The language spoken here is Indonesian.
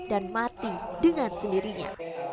berarti dengan sendirinya